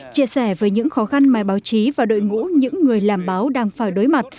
chia sẻ với những khó khăn mà báo chí và đội ngũ những người làm báo đang phải đối mặt